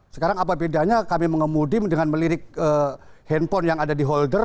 sekarang apa bedanya kami mengemudi dengan melirik handphone yang ada di holder